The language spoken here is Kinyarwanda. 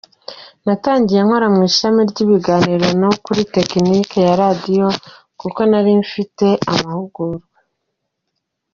Natangiye nkora mu ishami ry’ibiganiro no kuri technique ya radio kuko narinyifitiye amahugurwa.